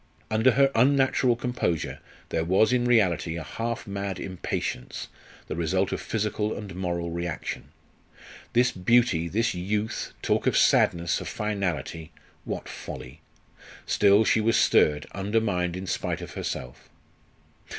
Under her unnatural composure there was in reality a half mad impatience, the result of physical and moral reaction. This beauty, this youth, talk of sadness, of finality! What folly! Still, she was stirred, undermined in spite of herself.